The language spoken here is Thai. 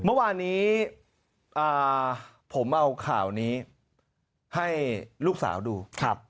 เมื่อวานนี้ผมเอาข่าวนี้ให้ลูกสาวดู